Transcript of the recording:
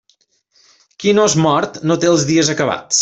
Qui no és mort, no té els dies acabats.